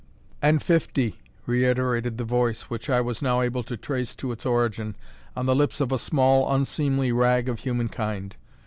"And fifty," reiterated the voice, which I was now able to trace to its origin, on the lips of a small, unseemly rag of human kind.